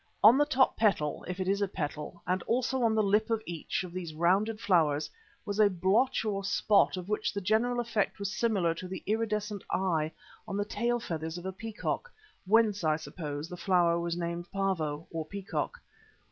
On the top petal (if it is a petal), and also on the lip of each of these rounded flowers was a blotch or spot of which the general effect was similar to the iridescent eye on the tail feathers of a peacock, whence, I suppose, the flower was named "Pavo," or Peacock.